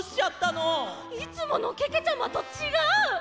いつものけけちゃまとちがう！